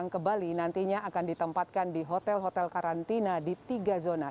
yang ke bali nantinya akan ditempatkan di hotel hotel karantina di tiga zona